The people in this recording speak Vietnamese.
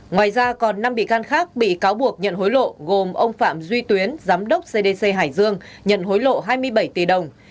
ngoài ra còn năm bị can khác bị cáo buộc nhận hối lộ gồm ông phạm duy tuyến giám đốc cdc hải dương nhận hối lộ hai mươi bảy tỷ đồng